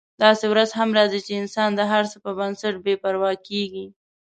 داسې ورځ هم راځي چې انسان د هر څه په نسبت بې پروا کیږي.